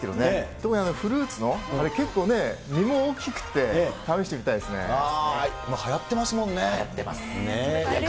特にフルーツのあれ結構ね、実も大きくて、試してみたいですはやってますもんね。